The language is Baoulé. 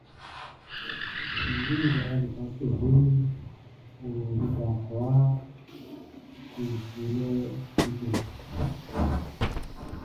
Ninnge nga be fa to beʼn be o lika kwlaa, ɔ ti srilɛ like!